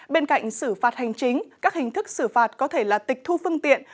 bên cạnh xử phạt hành chính các hình thức xử phạt có thể là tịch thu phương tiện